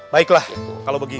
baiklah kalau begitu